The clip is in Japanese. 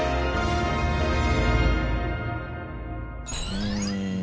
うん。